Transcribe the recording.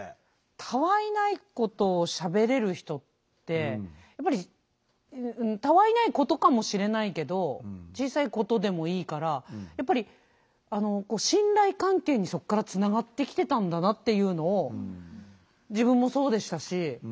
たわいないことをしゃべれる人ってたわいないことかもしれないけど小さいことでもいいからやっぱり信頼関係にそこからつながってきてたんだなっていうのを自分もそうでしたし。